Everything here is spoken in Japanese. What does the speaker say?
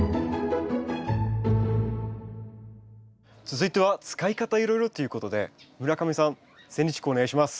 続いては「使い方いろいろ」ということで村上さんセンニチコウお願いします。